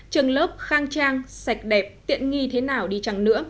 trường lớp khang trang sạch đẹp tiện nghi thế nào đi chăng nữa